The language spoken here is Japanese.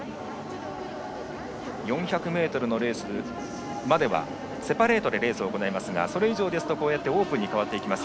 ４００ｍのレースまではセパレートでレースを行いますがそれ以上ですとオープンに変わります。